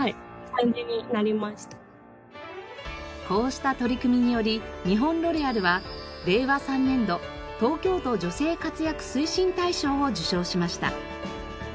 こうした取り組みにより日本ロレアルは令和３年度東京都女性活躍推進大賞を受賞しました。